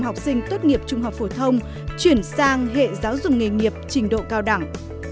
và ba mươi học sinh tốt nghiệp trung học phổ thông chuyển sang hệ giáo dục nghề nghiệp trình độ cao đẳng